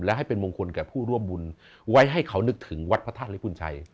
และให้เป็นมงคลแก่ผู้ร่วมบุญไว้ให้เขานึกถึงวัดพระธาตุลิปุณชัย